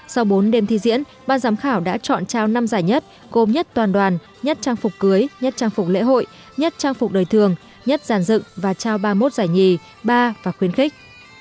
sau bốn đêm thi diễn ban giám khảo đã chọn trao năm giải nhất gồm nhất toàn đoàn nhất trang phục cưới nhất trang phục lễ hội nhất trang phục đời thường nhất giàn dựng và trao ba mươi một giải nhì ba và khuyến khích